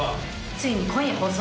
ついに今夜放送。